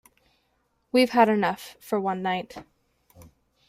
We’ve had enough for one night.